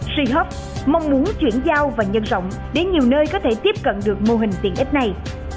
seahawk mong muốn chuyển giao và nhân rộng đến nhiều nơi có thể tiếp cận được mô hình tiện ích này